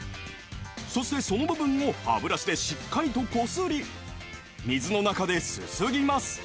そしてその部分を歯ブラシでしっかりとこすり水の中ですすぎます